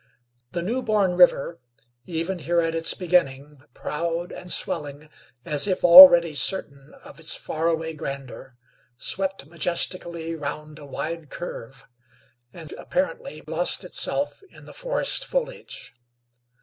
The new born river, even here at its beginning proud and swelling as if already certain of its far away grandeur, swept majestically round a wide curve and apparently lost itself in the forest foliage.